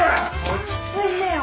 落ち着いてよ